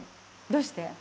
どうして？